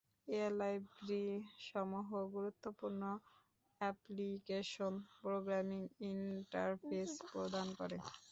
এ library সমূহ গুরুত্বপূর্ণ application programming interface প্রদান করে।